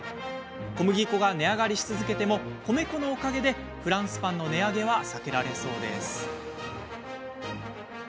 小麦粉が値上がりし続けても米粉のおかげで、フランスパンの値上げは避けられそうです。